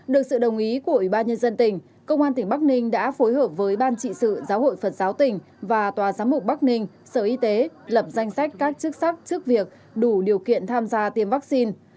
được sự đồng ý của ubnd tỉnh công an tỉnh bắc ninh đã phối hợp với ban trị sự giáo hội phật giáo tỉnh và tòa giám mục bắc ninh sở y tế lập danh sách các chức sắc trước việc đủ điều kiện tham gia tiêm vaccine